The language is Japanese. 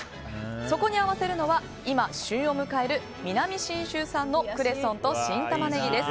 そこに合わせるのは今、旬を迎える南信州産のクレソンと新タマネギです。